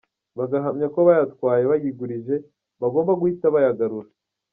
Bagahamya ko bayatwaye bayigurije, bagomba guhita bayagarura.